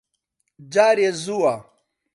جارێ زووە.